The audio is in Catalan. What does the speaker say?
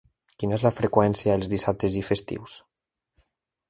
Quina és la freqüència els dissabtes i festius?